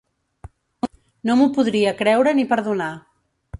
No m’ho podria creure ni perdonar.